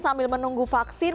sambil menunggu vaksin